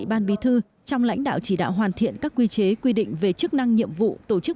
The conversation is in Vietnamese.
ban bí thư trong lãnh đạo chỉ đạo hoàn thiện các quy chế quy định về chức năng nhiệm vụ tổ chức